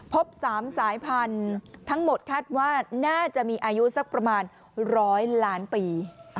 พบ๓สายพันธุ์ทั้งหมดคาดว่าน่าจะมีอายุสักประมาณ๑๐๐ล้านปี